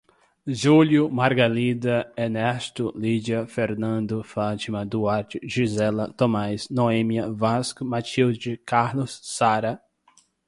Júlio, Margarida, Ernesto, Lídia, Fernando, Fátima, Duarte, Gisela, Tomás, Noémia, Vasco, Matilde, Carlos, Sara